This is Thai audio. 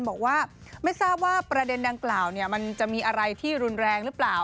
บอกว่าไม่ทราบว่าประเด็นดังกล่าวมันจะมีอะไรที่รุนแรงหรือเปล่า